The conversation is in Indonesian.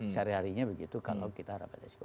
sehari harinya begitu kalau kita rapat eksekutif